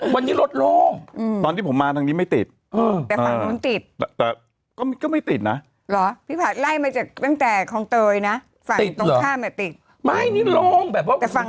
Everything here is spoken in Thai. คุณออกบ้านที่ถนนเป็นไงบ้าง